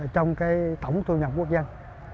trong tổng thu nhập quốc dân